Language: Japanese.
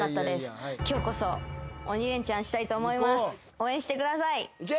応援してください！